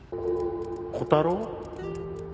小太郎？